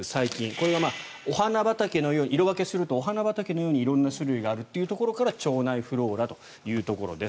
これが色分けするとお花畑のように色んな種類があるということから腸内フローラというところです。